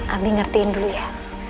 ami ngertiin dulu ya